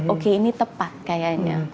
oke ini tepat kayaknya